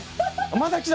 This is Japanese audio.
また来た！」